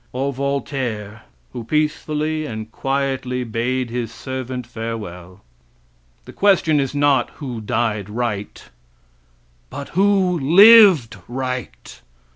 or Voltaire, who peacefully and quietly bade his servant farewell? The question is not who died right, but who lived right.